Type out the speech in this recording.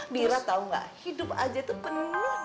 bira tau gak hidup aja tuh penuh